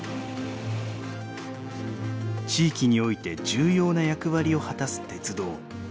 地域において重要な役割を果たす鉄道。